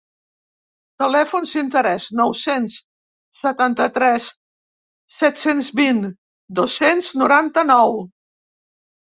Telèfons d'interès: nou-cents setanta-tres set-cents vint dos-cents noranta-nou.